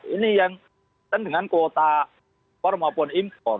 ini yang dengan kuota impor